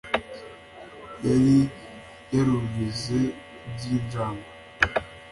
yari yarumvise iby'injangwe